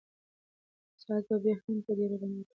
ساعت به بیا هم په ډېرې ارامۍ ټکا کوي.